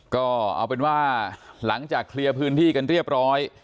ก็เอาเป็นว่าหลังจากเคลียร์พื้นที่กันเรียบร้อย